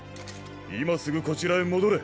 今すぐこちらへ戻れ。